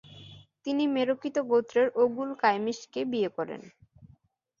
তিনি মেরকিত গোত্রের ওগুল কাইমিশকে বিয়ে করেন।